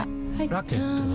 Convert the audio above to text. ラケットは？